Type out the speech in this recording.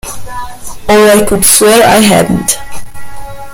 Or I could swear I hadn't.